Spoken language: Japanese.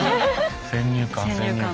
「先入観先入観」？